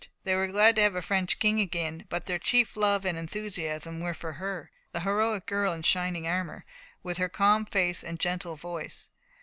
They were glad to have a French King again, but their chief love and enthusiasm were for her, the heroic girl in shining armour, with her calm face and gentle voice.